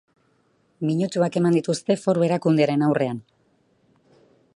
Minutuak eman dituzte foru erakundearen aurrean.